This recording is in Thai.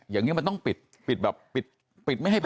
อย่างนี้มันต้องปิดปิดแบบปิดไม่ให้ไป